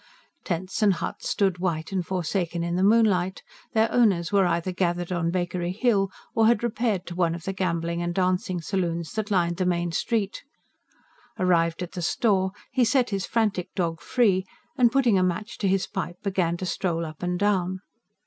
Tents and huts stood white and forsaken in the moonlight: their owners were either gathered on Bakery Hill, or had repaired to one of the gambling and dancing saloons that lined the main street. Arrived at the store he set his frantic dog free, and putting a match to his pipe, began to stroll up and down.